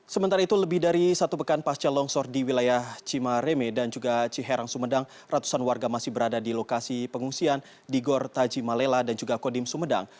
sementara itu lebih dari satu pekan pasca longsor di wilayah cimareme dan juga ciherang sumedang ratusan warga masih berada di lokasi pengungsian di gor tajimalela dan juga kodim sumedang